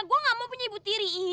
gue gak mau punya ibu tiri